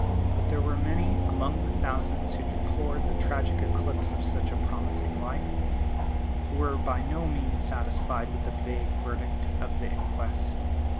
But there were many, among the thousands who deplored the tragic eclipse of such a promising life, who were by no means satisfied with the vague verdict of the inquest.